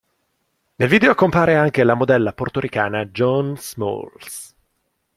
Nel video compare anche la modella portoricana Joan Smalls.